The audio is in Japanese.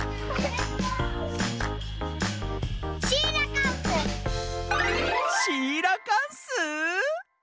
シーラカンス！